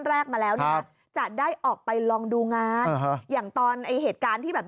แรกมาแล้วเนี่ยนะจะได้ออกไปลองดูงานอย่างตอนไอ้เหตุการณ์ที่แบบ